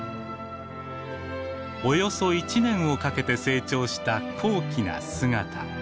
およそ１年をかけて成長した高貴な姿。